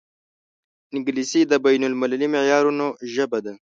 انګلیسي د بین المللي معیارونو ژبه ده